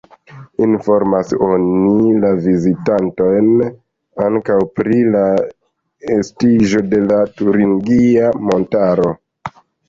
Informas oni la vizitantojn ankaŭ pri la estiĝo de la turingia montaro.